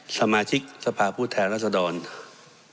สมาชิกสภาพผู้แทนรัศดร